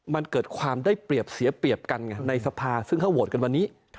มันเกิดความได้เปรียบเสียเปรียบกันไงในสภาซึ่งเขาโหวตกันวันนี้